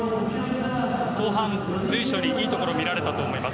後半、随所にいいところ見られたと思います。